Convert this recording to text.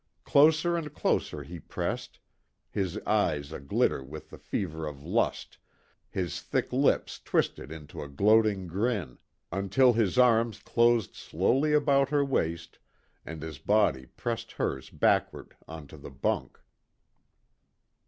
Closer and closer he pressed, his eyes aglitter with the fever of lust, his thick lips twisted into a gloating grin, until his arms closed slowly about her waist and his body pressed hers backward onto the bunk.